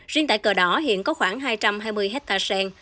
riêng tại cờ đỏ hiện có khoảng hai trăm hai mươi hectare sen